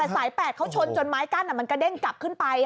สาย๘เขาชนจนไม้กั้นมันกระเด้งกลับขึ้นไป